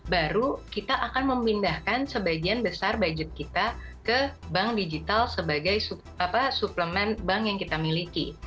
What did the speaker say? baru kita akan memindahkan sebagian besar budget kita ke bank digital sebagai suplemen bank yang kita miliki